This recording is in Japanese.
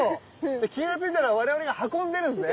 じゃ気が付いたら我々が運んでるんですね？